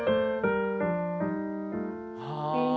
はあ。